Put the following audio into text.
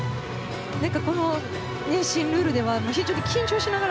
この新ルールでは非常に緊張しながら